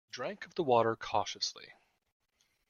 He drank of the water cautiously.